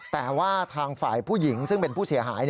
แต่ว่าทางฝ่ายผู้หญิงซึ่งเป็นผู้เสียหาย